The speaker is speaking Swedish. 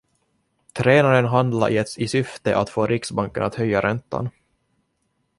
Tränaren handlade i syfte att få riksbanken att höja räntan.